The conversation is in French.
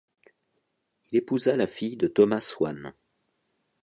Il épousa la fille de Thomas Swann.